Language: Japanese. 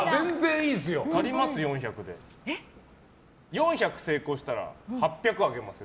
４００成功したら８００あげますよ。